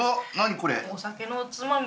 これ。